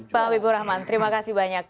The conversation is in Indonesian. pak habibur rahman terima kasih banyak